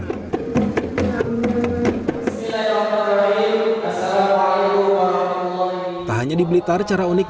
tak hanya di blitar cara unik membangunnya adalah dengan membangunnya dengan kegiatan kesenian tradisional